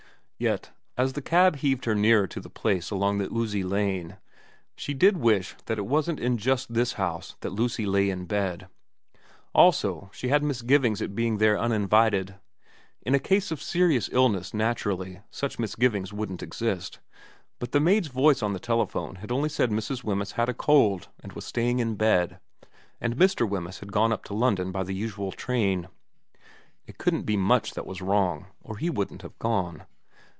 Yet, as the cab heaved her nearer to the place along the oozy lane, she did wish that it wasn't in just this house that Lucy lay in bed. Also she had misgivings at being there uninvited. In a case of serious illness naturally such misgivings wouldn't exist ; but the maid's voice on the telephone had only said Mrs. Wemyss had a cold and was staying in bed, and Mr. Wemyss had gone up to London by the usual train. It couldn't be much that was wrong, or he wouldn't have gone.